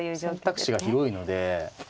選択肢が広いので。